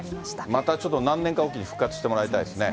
またちょっと何年か置きに復活してもらいたいですね。